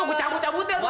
gue cabut cabutin tuh lo